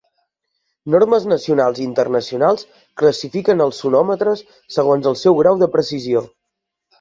Normes nacionals i internacionals classifiquen els sonòmetres segons el seu grau de precisió.